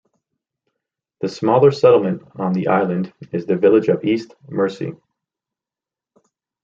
The smaller settlement on the island is the village of East Mersea.